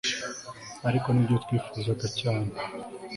ariko nibyo twifuzaga cyane